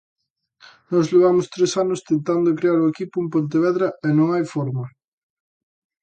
Nós levamos tres anos tentando crear o equipo en Pontevedra e non hai forma.